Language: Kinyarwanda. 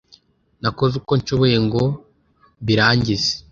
Nakoze uko nshoboye ngo mbirangize